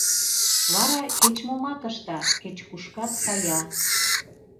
Вара кеч-момат ышта, кеч-кушкат кая.